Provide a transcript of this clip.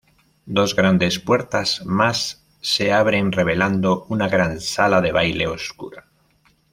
Dos grandes puertas más se abren revelando una gran sala de baile oscura.